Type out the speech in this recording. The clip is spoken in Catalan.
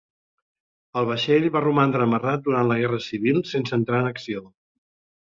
El vaixell va romandre amarrat durant la guerra civil sense entrar en acció.